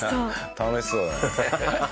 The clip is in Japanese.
楽しそうだね。